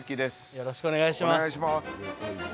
よろしくお願いします。